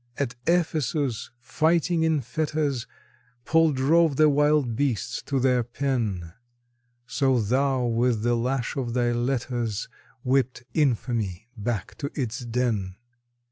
At Ephesus, fighting in fetters, Paul drove the wild beasts to their pen; So thou with the lash of thy letters Whipped infamy back to its den.